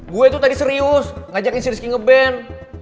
gue tuh tadi serius ngajakin si rizky nge ban